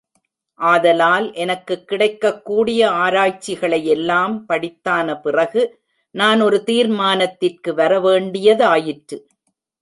ஆதலால் எனக்குக் கிடைக்கக்கூடிய ஆராய்ச்சிகளையெல்லாம் படித்தான பிறகு நான் ஒரு தீர்மானத்திற்கு வர வேண்டியதாயிற்று.